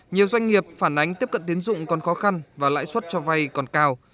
nhiều doanh nghiệp phản ánh tiếp cận tiến dụng còn khó khăn và lãi suất cho vay còn cao